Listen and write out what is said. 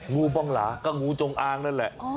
งูบองหลาก็งูจงอางนั่นแหละ